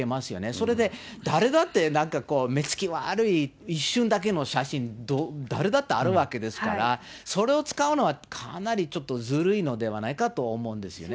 それで、誰だってなんかこう、目つき悪い、一瞬だけの写真、誰だってあるわけですから、それを使うのはかなりちょっとずるいのではないかと思うんですよね。